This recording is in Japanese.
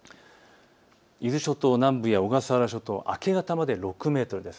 伊豆諸島南部や小笠原諸島、明け方まで６メートルです。